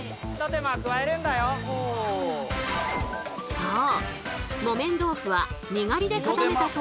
そう！